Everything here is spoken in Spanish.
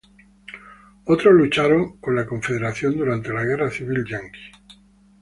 Otros lucharon con los confederados durante la Guerra Civil Estadounidense.